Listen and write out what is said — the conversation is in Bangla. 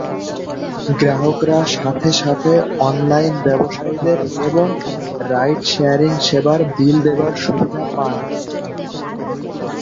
গ্রাহকরা সাথে সাথে অনলাইন ব্যবসায়ীদের এবং রাইড শেয়ারিং সেবার বিল দেবার সুবিধা পান।